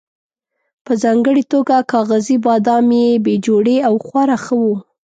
په ځانګړې توګه کاغذي بادام یې بې جوړې او خورا ښه وو.